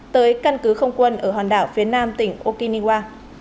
tới căn cứ không quân ở hòn đảo phía nam tỉnh okinawa